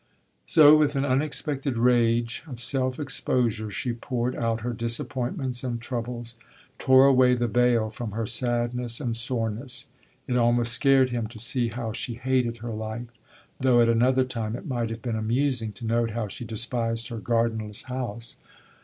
So with an unexpected rage of self exposure she poured out her disappointments and troubles, tore away the veil from her sadness and soreness. It almost scared him to see how she hated her life, though at another time it might have been amusing to note how she despised her gardenless house.